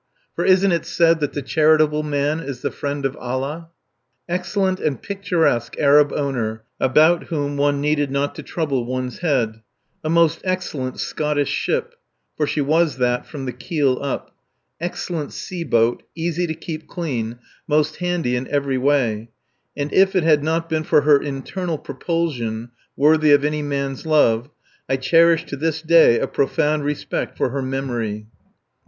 For isn't it said that "The charitable man is the friend of Allah"? Excellent (and picturesque) Arab owner, about whom one needed not to trouble one's head, a most excellent Scottish ship for she was that from the keep up excellent sea boat, easy to keep clean, most handy in every way, and if it had not been for her internal propulsion, worthy of any man's love, I cherish to this day a profound respect for her memory.